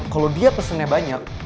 kalo dia pesennya banyak